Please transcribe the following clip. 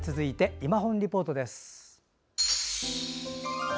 「いまほんリポート」。